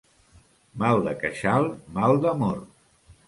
Mal de queixal, mal d'amor.